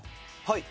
はい。